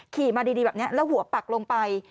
ขี่มาดีแบบนี้แล้วหัวปักลงไป